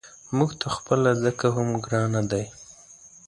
موږ ته خپله ځکه هم ګران دی.